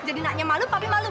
jadi naknya malu papi malu